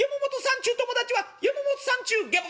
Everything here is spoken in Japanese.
っちゅう友達は山本さんっちゅうゲボゲボ」。